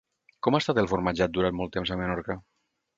Com ha estat el formatjat durant molt temps a Menorca?